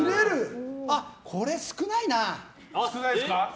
これ、少ないな。